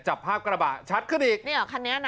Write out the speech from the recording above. จับภาพกระบะชัดขึ้นอีกเนี่ยคันนี้นะ